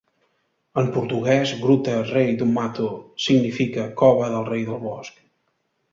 En portuguès, Gruta Rei do Mato significa "cova del rei del bosc".